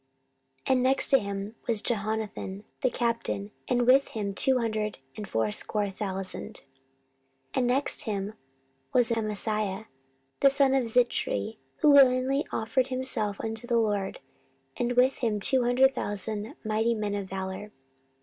14:017:015 And next to him was Jehohanan the captain, and with him two hundred and fourscore thousand. 14:017:016 And next him was Amasiah the son of Zichri, who willingly offered himself unto the LORD; and with him two hundred thousand mighty men of valour.